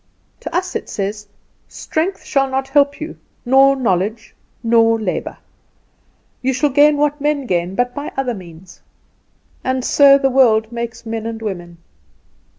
To us it says Strength shall not help you, nor knowledge, nor labour. You shall gain what men gain, but by other means. And so the world makes men and women.